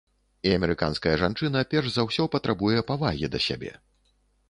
І амерыканская жанчына перш за ўсё патрабуе павагі да сябе.